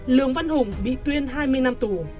lương văn hùng bị tuyên hai mươi năm tù